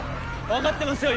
わかってますよ